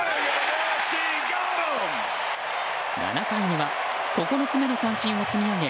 ７回には９つ目の三振を積み上げ